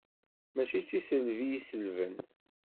Mačči d tiselbi i selben.